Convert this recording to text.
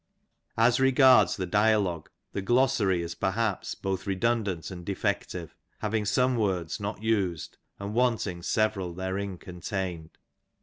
As regards the dialogue the Glossary is perhaps both redundant and defective, having some words not used and wanting several therein contained.